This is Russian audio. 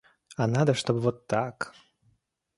А надо, чтобы вот так...